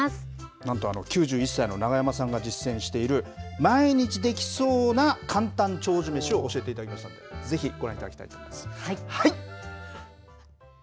なんとあの９１歳の永山さんが実践している、毎日できそうな簡単長寿めしを教えていただきましたので、ぜひご覧いただきたいと思います。